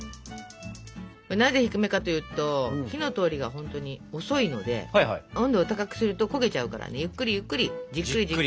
なぜ低めかというと火の通りが本当に遅いので温度を高くすると焦げちゃうからねゆっくりゆっくりじっくりじっくり。